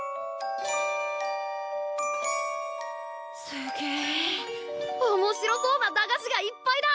すげえおもしろそうな駄菓子がいっぱいだ！